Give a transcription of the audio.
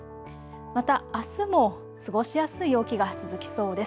またあすも過ごしやすい陽気が続きそうです。